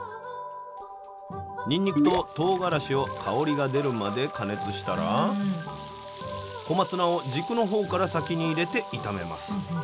にんにくととうがらしを香りが出るまで加熱したら小松菜を軸のほうから先に入れて炒めます。